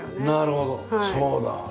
なるほどそうだ。